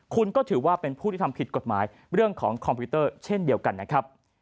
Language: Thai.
คุณก็ถือว่าเป็นผู้ที่ทำผิดกฎหมายเรื่องของคอมพิวเตอร์เช่นเดียวกันนะครับ